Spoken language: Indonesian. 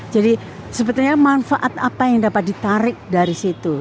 jadi sebetulnya manfaat apa yang dapat ditarik dari situ